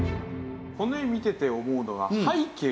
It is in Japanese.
この絵を見てて思うのは。